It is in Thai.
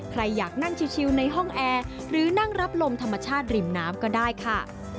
ใครอยากนั่งชิลในห้องแอร์หรือนั่งรับลมธรรมชาติริมน้ำก็ได้ค่ะ